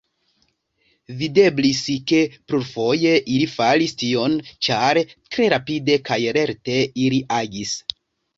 Videblis, ke plurfoje ili faris tion, ĉar tre rapide kaj lerte ili agis.